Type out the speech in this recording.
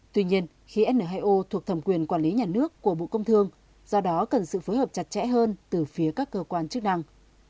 tuy nhiên khí n hai o thuộc thẩm quyền quản lý nhà nước của bộ công thương do đó cần sự phối hợp chặt chẽ hơn từ phía các cơ quan chức năng